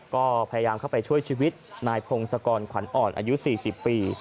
ก็พยายามเข้าไปช่วยชีวิตนายพงศกรขวัญอ่อนอายุ๔๐ปี